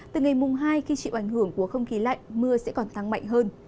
từ ngày mùng hai khi chịu ảnh hưởng của không khí lạnh mưa sẽ còn tăng mạnh hơn